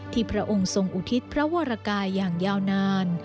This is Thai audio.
พระองค์ทรงอุทิศพระวรกายอย่างยาวนาน